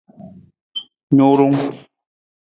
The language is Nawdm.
Nurung.